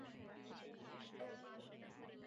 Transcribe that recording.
纵横体坛二十年。